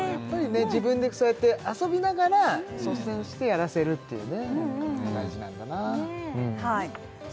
自分でそうやって遊びながら率先してやらせるっていうね大事なんだなねぇ